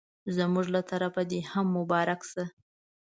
زموږ له طرفه دي هم مبارک سه